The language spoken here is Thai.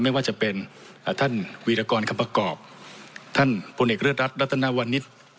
ไม่ว่าจะเป็นท่านวีรกรคำประกอบท่านพลเอกเลือดรัฐรัตนาวันนิษฐ์